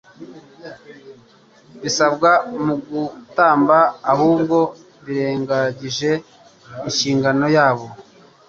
bisabwa mu gutamba. Ahubwo birengagije inshingano yabo